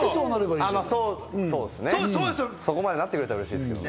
そこまでなってくれたら嬉しいですけどね。